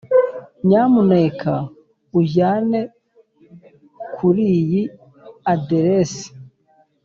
nyamuneka unjyane kuriyi aderesi.